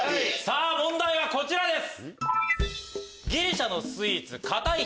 問題はこちらです！